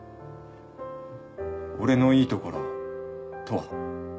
俺のいいところとは？